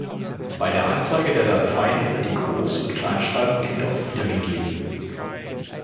Bei der Anzeige der Dateien wird die Groß- und Kleinschreibung jedoch wiedergegeben.